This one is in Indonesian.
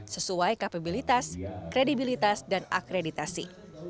sesuai kapabilitas kredibilitas dan akreditasi